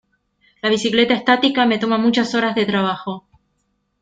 La bicicleta estática me toma muchas horas de trabajo.